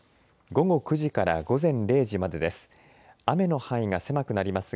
午後９時から午前０時までです。